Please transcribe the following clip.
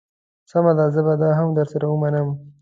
سمه ده زه به دا هم در سره ومنم.